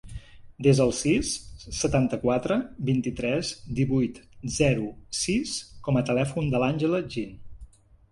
Desa el sis, setanta-quatre, vint-i-tres, divuit, zero, sis com a telèfon de l'Àngela Jin.